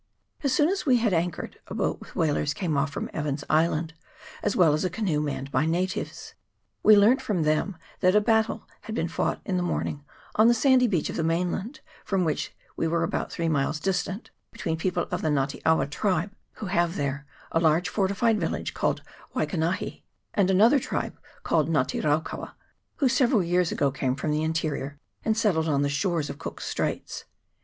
As soon as we had anchored, a boat with whalers came off from Evans's Island, as well as a canoe manned by natives. We learnt from them that a battle had been fought in the morning on the sandy beach of the mainland, from which we were about three miles distant, between people of the Nga te awa tribe, who have there a large fortified village called Waikanahi, and another tribe called the Nga te raukaua, who several years ago came from the interior, and settled on the shores of Cook's Straits.